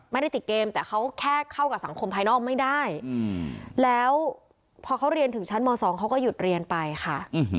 ไม่ได้ติดเกมแต่เขาแค่เข้ากับสังคมภายนอกไม่ได้แล้วพอเขาเรียนถึงชั้นม๒เขาก็หยุดเรียนไปค่ะ